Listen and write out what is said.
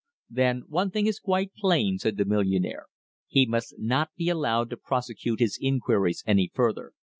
"Then one thing is quite plain," said the millionaire. "He must not be allowed to prosecute his inquiries any further.